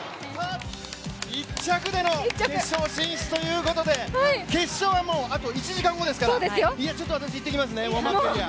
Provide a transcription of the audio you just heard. １着での決勝進出ということで決勝はもうあと１時間後ですから、私、行ってきますね、ウォームアップエリア